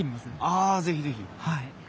あ是非是非！